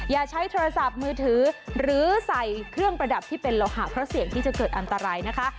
อย่าใช้โทรศัพท์มือถือหรือใส่เครื่องประดับที่เป็นโลหะเพราะเสี่ยงที่จะเกิดอันตรายนะคะ